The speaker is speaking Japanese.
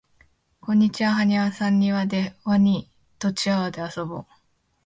こんにちははにわさんにわでワニとチワワとあそぼう